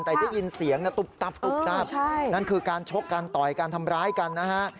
แต่ได้ยินเสียงนะตุ๊บตับตุ๊บตับนั่นคือการชกการต่อยการทำร้ายกันนะฮะ